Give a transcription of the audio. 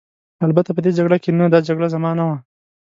البته په دې جګړه کې نه، دا جګړه زما نه وه.